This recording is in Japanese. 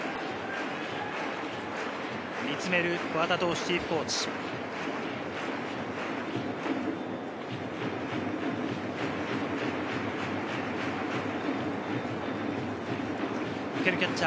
見つめる桑田投手チーフコーチ。